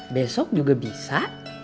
besok juga bisa